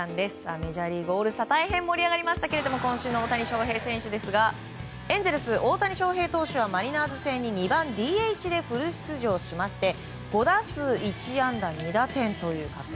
メジャーリーグオールスター大変盛り上がりましたけれども今週の大谷翔平選手ですがエンゼルス、大谷翔平投手はマリナーズ戦に２番ＤＨでフル出場しまして５打数１安打２打点という活躍。